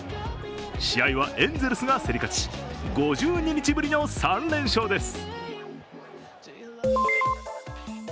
試合はエンゼルスが競り勝ち、５２日ぶりの３連勝です。